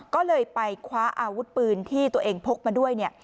ก็เลยไปคว้าอาวุธปืนที่ตัวเองพกมาด้วยเนี่ย